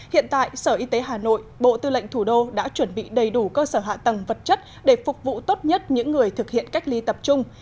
hiện tại sở y tế hà nội bộ tư lệnh thủ đô đã chuẩn bị đầy đủ cơ sở hạ tầng vật chất để phục vụ tốt nhất những người thực hiện cách ly tập trung